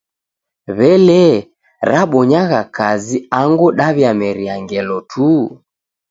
W'elee, rabonyagha kazi angu daw'iameria ngelo tu?